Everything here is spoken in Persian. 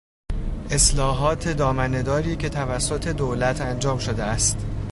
اصلاحات دامنه داری که توسط دولت انجام شده است